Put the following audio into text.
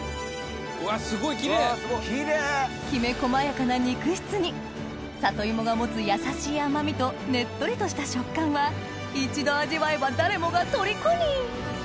きめ細やかな肉質に里芋が持つやさしい甘みとねっとりとした食感は一度味わえば誰もが虜に！